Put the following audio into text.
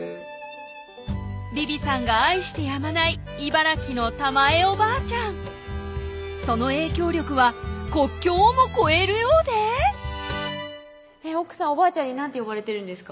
ビビさんが愛してやまない茨城の玉枝おばあちゃんその影響力は国境をも越えるようで奥さんおばあちゃんに何て呼ばれてるんですか？